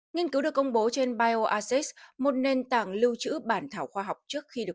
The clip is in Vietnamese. nghiên cứu được công bố trên bioassist một nền tảng lưu trữ bản thảo khoa học trước khi được